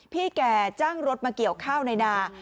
แก่จ้างรถมาเกี่ยวข้าวในนา